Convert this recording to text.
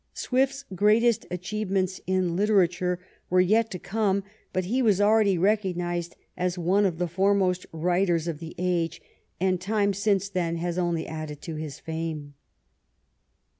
Swift's greatest achievements in literature were yet to come, but he was already recognized as one of the foremost writers of the age, and time since then has only added to his fame.